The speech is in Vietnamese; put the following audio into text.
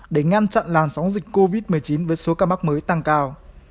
để ngăn chặn làn sóng dịch covid một mươi chín với số ca mắc mới tăng cao